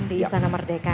di sana merdeka